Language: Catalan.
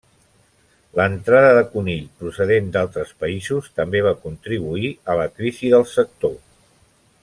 L'entrada de conill procedent d'altres països també va contribuir a la crisi del sector.